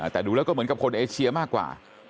แต่ดูแล้วก็เหมือนกับคนเอเชียมากกว่า